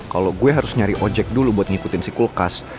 kalau gue harus nyari ojek dulu buat ngikutin si kulkas